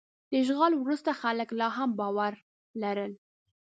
د اشغال وروسته خلک لا هم باور لرل.